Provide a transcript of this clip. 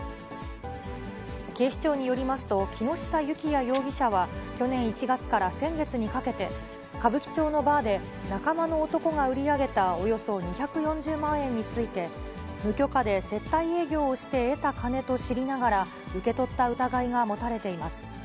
警視庁によりますと、木下幸也容疑者は、去年１月から先月にかけて、歌舞伎町のバーで、仲間の男が売り上げたおよそ２４０万円について、無許可で接待営業をして得た金と知りながら受け取った疑いが持たれています。